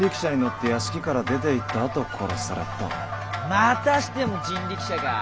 またしても人力車か。